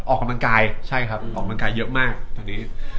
ออกกำลังกายใช่ครับออกกำลังกายเยอะมากตอนนี้